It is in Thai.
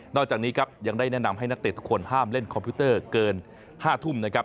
จากนี้ครับยังได้แนะนำให้นักเตะทุกคนห้ามเล่นคอมพิวเตอร์เกิน๕ทุ่มนะครับ